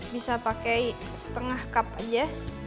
bisa pakai setengah cup aja